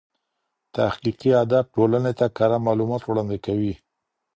تحقیقي ادب ټولني ته کره معلومات وړاندي کوي.